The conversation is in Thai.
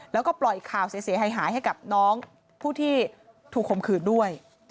แล้วก็ปล่อยข่าวเสียหายให้กับน้องผู้ที่ถูกคมขืนด้วย